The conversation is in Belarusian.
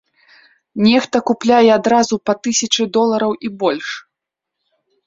Нехта купляе адразу па тысячы долараў і больш.